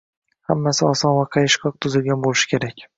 Hammasi oson va qayishqoq tuzilgan boʻlishi kerak.